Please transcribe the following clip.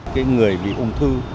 cái người bị ung thư